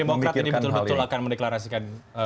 demokrat ini betul betul akan mendeklarasikan